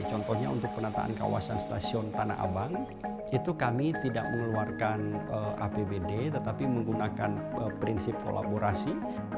contohnya untuk penataan kawasan stasiun tanah abang itu kami tidak mengeluarkan apbd tetapi menggunakan prinsip kolaborasi